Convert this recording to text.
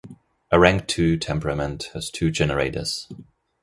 A rank-two temperament has two generators.